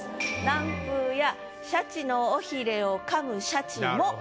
「南風やシャチの尾ひれを噛むシャチも」。